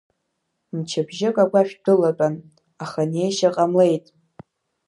Мчыбжьык агәашә дылатәан, аха неишьа ҟамлеит.